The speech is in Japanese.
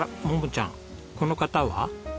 桃ちゃんこの方は？